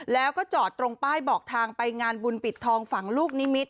แล้วก็จอดตรงป้ายบอกทางไปงานบุญปิดทองฝั่งลูกนิมิตร